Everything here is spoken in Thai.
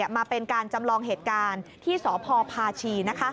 มาเป็นการจำลองเหตุการณ์ที่สพพาชี